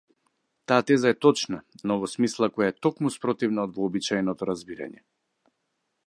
Таа теза е точна, но во смисла која е токму спротивна од вообичаеното разбирање.